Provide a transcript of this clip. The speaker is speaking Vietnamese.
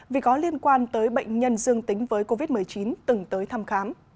vì có liên quan tới bệnh nhân dương tính với covid một mươi chín từng tới thăm khám